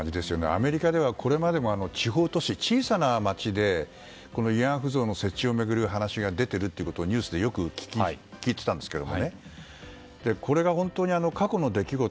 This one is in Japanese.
アメリカではこれまでも地方都市、小さな町で慰安婦像の設置を巡る話が出ているということをニュースでよく聞いていたんですがこれが本当に過去の出来事